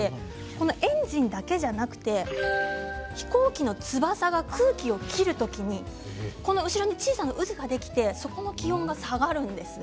エンジンだけではなくて飛行機の翼が空気を切る時に小さな渦ができてそこも気温が下がるんです。